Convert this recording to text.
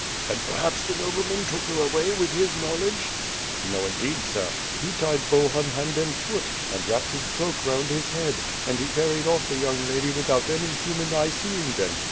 "And perhaps the nobleman took her away with his knowl edge?" "No indeed, sir; he tied Bohun hand and foot, and wrapped his cloak round his head; and he carried off the young lady without any human eye seeing them.